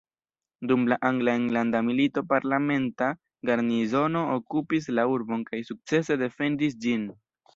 Dum la angla enlanda milito parlamenta garnizono okupis la urbon kaj sukcese defendis ĝin.